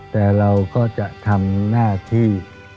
แต่เราก็จะทำหน้าที่